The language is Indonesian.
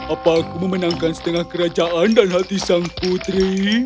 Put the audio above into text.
apa aku memenangkan setengah kerajaan dan hati sang putri